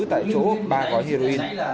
tại chỗ ba gói heroin